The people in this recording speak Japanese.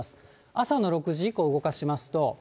朝の６時以降動かしますと。